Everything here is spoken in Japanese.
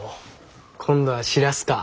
今度はしらすか？